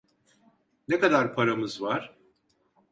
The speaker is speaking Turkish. Ne kadar paramız var?